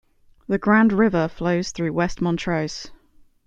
The Grand River flows through West Montrose.